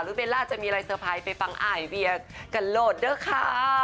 เบลล่าจะมีอะไรเซอร์ไพรส์ไปฟังอายเวียกันโหลดเด้อค่ะ